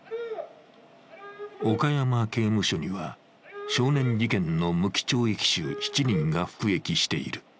岡山刑務所には少年事件の無期懲役囚７人が服役している。